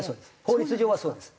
法律上はそうです。